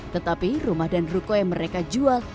tetapi rumah dan ruko yang mereka jual